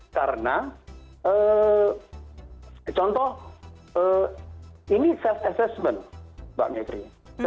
karena contoh ini self assessment mbak menteri